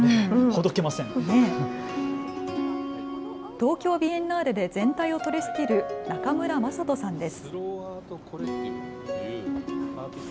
東京ビエンナーレで全体を取りしきる中村政人さんです。